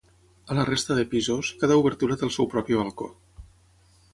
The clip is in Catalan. A la resta de pisos, cada obertura té el seu propi balcó.